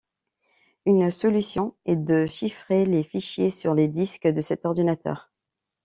Une solution est de chiffrer les fichiers sur les disques de cet ordinateur.